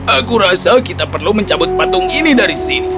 aku rasa kita perlu mencabut patung ini dari sini